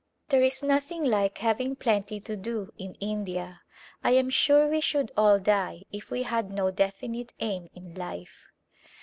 There is nothing like having plenty to do in India. I am sure we should all die if we had no defi nite aim in life.